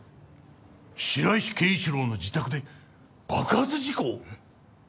白石圭一郎の自宅で爆発事故！？